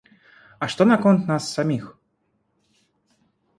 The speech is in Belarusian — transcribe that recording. А што наконт нас саміх?